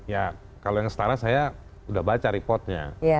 ya kalau yang setara saya sudah baca reportnya